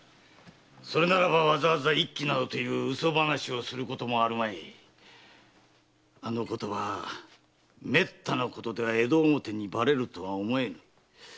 それならばわざわざ一揆などと嘘話をすることもあるまい。あのことはめったなことでは江戸表にばれるとは思えん。